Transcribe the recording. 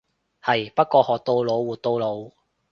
係，不過學到老活到老。